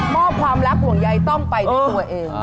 มอบความรักห่วงใยต้องไปด้วยตัวเอง